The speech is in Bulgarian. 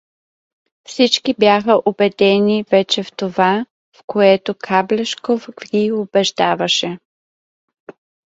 Всички бяха убедени вече в това, в което Каблешков ги убеждаваше.